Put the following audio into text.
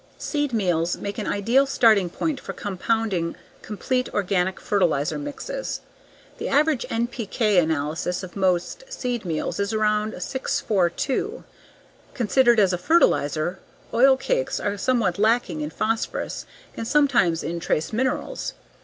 Seed meals make an ideal starting point for compounding complete organic fertilizer mixes. The average NPK analysis of most seed meals is around 6 4 2. Considered as a fertilizer, oil cakes are somewhat lacking in phosphorus and sometimes in trace minerals.